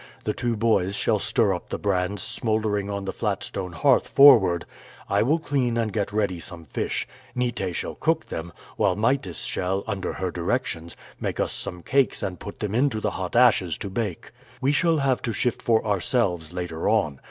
The two boys shall stir up the brands smoldering on the flat stone hearth forward, I will clean and get ready some fish, Nite shall cook them, while Mytis shall, under her directions, make us some cakes and put them into the hot ashes to bake. We shall have to shift for ourselves later on.